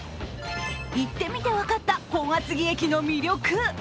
行ってみて分かった本厚木駅の魅力。